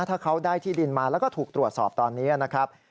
ถ้าเขาได้ที่ดินมาแล้วก็ถูกตรวจสอบตอนนี้นะครับ